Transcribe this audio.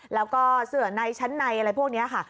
แล้วก็เสือในชั้นในอะไรพวกนี้ค่ะ